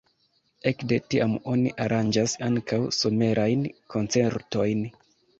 Ekde tiam oni aranĝas ankaŭ somerajn koncertojn.